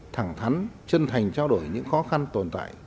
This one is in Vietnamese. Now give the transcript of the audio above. thẳng thắn chân thành trao đổi những khó khăn tồn tại